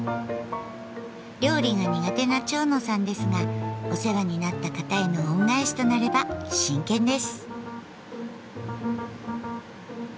料理が苦手な蝶野さんですがお世話になった方への恩返しとなれば真剣です。